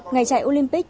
ngày chạy olympic